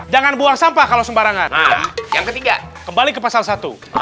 jangan buang sampah kalau sembarangan yang ketiga kembali ke pasal satu